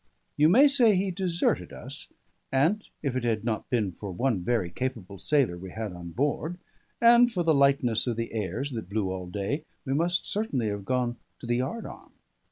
You may say he deserted us; and if it had not been for one very capable sailor we had on board, and for the lightness of the airs that blew all day, we must certainly have gone to the yard arm.